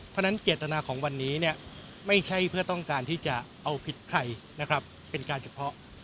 เพราะฉะนั้นเจตนาของวันนี้ไม่ใช่เพื่อต้องการที่จะเอาผิดใครนะครับเป็นการเฉพาะ